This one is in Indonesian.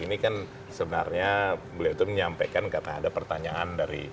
ini kan sebenarnya beliau itu menyampaikan karena ada pertanyaan dari